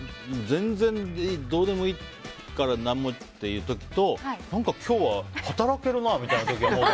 全然、どうでもいいから何もっていう時と何か今日は働けるなみたいな時が。